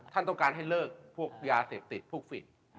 ท่านต้องการให้เลิกพวกยาเสพติดพวกฝี